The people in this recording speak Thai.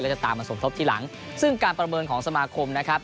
จะตามมาสมทบทีหลังซึ่งการประเมินของสมาคมนะครับ